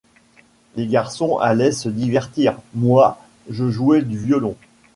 Les garçons allaient se divertir, moi, je jouais du violon.